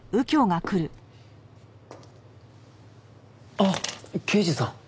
あっ刑事さん。